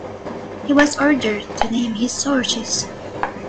He was ordered to name his sources.